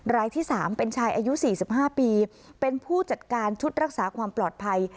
รายที่๓เป็นชายอายุ๔๕ปีเป็นผู้จัดการชุดรักษาความปลอดภัย